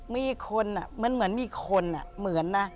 มีคนอ่ะเหมือนมีคนอ่ะเหมือนนะ